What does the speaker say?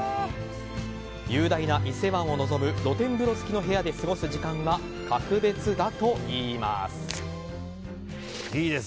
雄大な伊勢湾を望む露天風呂付きの部屋で過ごす時間は格別だといいます。